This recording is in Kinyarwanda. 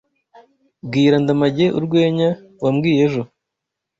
Bwira Ndamage urwenya wambwiye ejo.